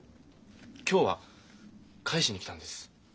今日は返しに来たんです。